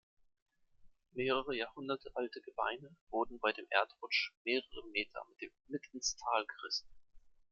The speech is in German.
Mehrere Jahrhunderte alte Gebeine wurden bei dem Erdrutsch mehrere Meter mit ins Tal gerissen.